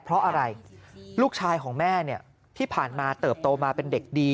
เพราะอะไรลูกชายของแม่เนี่ยที่ผ่านมาเติบโตมาเป็นเด็กดี